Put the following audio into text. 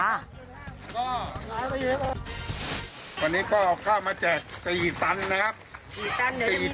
วันนี้ก็เอาข้าวมาแจก๔ตันนะครับ